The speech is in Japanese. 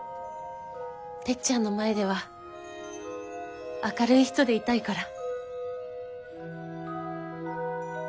てっちゃんの前では明るい人でいたいから。